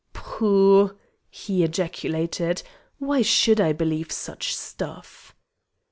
"Pooh!" he ejaculated; "why should I believe such stuff?"